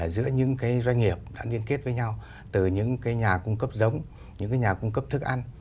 giữa những cái doanh nghiệp đã liên kết với nhau từ những cái nhà cung cấp giống những cái nhà cung cấp thức ăn